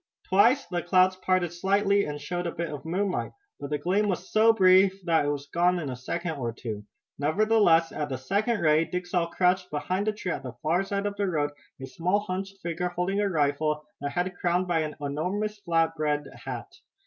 Twice the clouds parted slightly and showed a bit of moonlight, but the gleam was so brief that it was gone in a second or two. Nevertheless at the second ray Dick saw crouched beside a tree at the far side of the road a small hunched figure holding a rifle, the head crowned by an enormous flap brimmed hat.